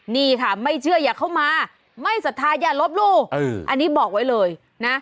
นี่ค่ะไม่เชื่ออย่าเข้ามาไม่ศรัทธาอย่าลบลู่อันนี้บอกไว้เลยนะ